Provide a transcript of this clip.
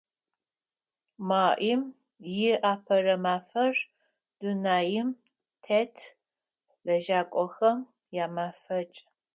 Маим и Апэрэ мафэр – дунаим тет лэжьакӀохэм ямэфэкӀ.